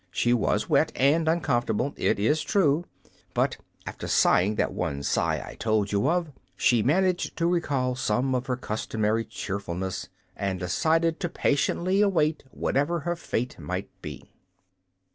She was wet and uncomfortable, it is true; but, after sighing that one sigh I told you of, she managed to recall some of her customary cheerfulness and decided to patiently await whatever her fate might be.